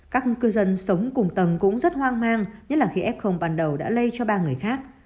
các cư dân sống cùng tầng cũng rất hoang mang nhất là khi f ban đầu đã lây cho ba người khác